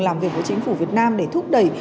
làm việc với chính phủ việt nam để thúc đẩy